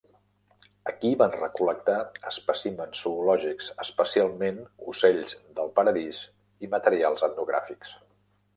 Aquí van recol·lectar espècimens zoològics, especialment ocells del paradís i materials etnogràfics.